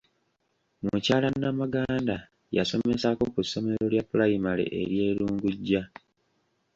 Mukyala Namaganda yasomesaako ku ssomero lya pulayimale erye Lungujja